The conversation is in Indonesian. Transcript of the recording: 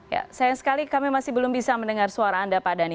ya sayang sekali kami masih belum bisa mendengar suara anda pak dhani